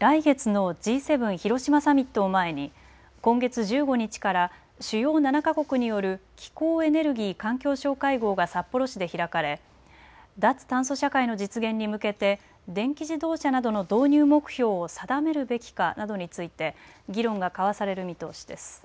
来月のＧ７広島サミットを前に今月１５日から主要７か国による気候・エネルギー・環境相会合が札幌市で開かれ、脱炭素社会の実現に向けて電気自動車などの導入目標を定めるべきかなどについて議論が交わされる見通しです。